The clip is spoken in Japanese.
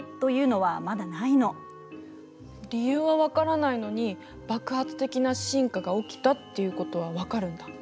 理由は分からないのに爆発的な進化が起きたっていうことは分かるんだ？